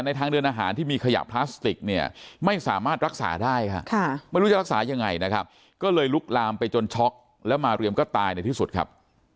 ยังไงนะครับก็เลยลุกลามไปจนช็อคแล้วมาเรียมก็ตายในที่สุดครับ